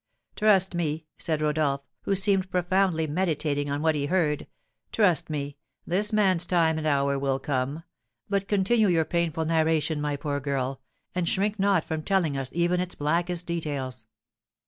"Trust me," said Rodolph, who seemed profoundly meditating on what he heard, "trust me, this man's time and hour will come. But continue your painful narration, my poor girl, and shrink not from telling us even its blackest details."